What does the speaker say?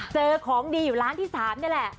เจอของดีอยู่ร้านที่๓นี่แหละ